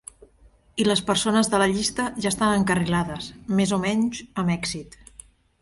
I les persones de la llista ja estan encarrilades, més o menys, amb èxit.